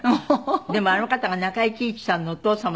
でもあの方が中井貴一さんのお父様だなんてね。